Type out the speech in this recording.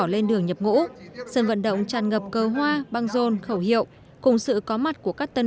lên đường nhập ngũ sân vận động tràn ngập cơ hoa băng rôn khẩu hiệu cùng sự có mặt của các tân